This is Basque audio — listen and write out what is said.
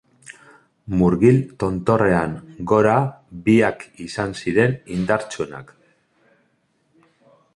Murgil tontorrean gora biak izan ziren indartsuenak.